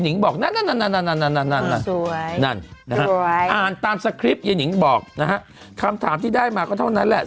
นึงบอกนะฮะคำถามที่ได้มาก็เท่านั้นและ